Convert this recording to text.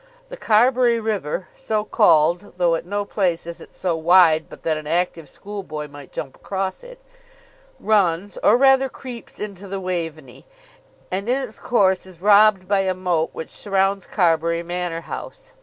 The Carbury River, so called, though at no place is it so wide but that an active schoolboy might jump across it, runs, or rather creeps into the Waveney, and in its course is robbed by a moat which surrounds Carbury Manor House.